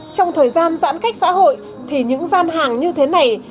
trong thời gian giãn cách xã hội thì những gian hàng như thế này